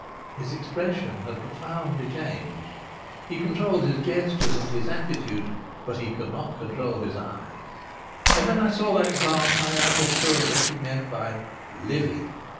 His expression had profoundly changed. He controlled his gestures and his attitude, but he could not control his eye. And when I saw that glance I understood what he meant by "living."